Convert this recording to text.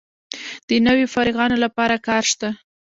د نویو فارغانو لپاره کار شته؟